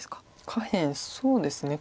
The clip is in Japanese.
下辺そうですね。